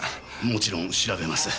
もちろん調べます。